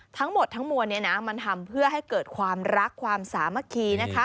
ทั้งหมดทั้งมวลมันทำเพื่อให้เกิดความรักความสามัคคี